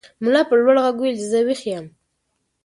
ملا په لوړ غږ وویل چې زه ویښ یم.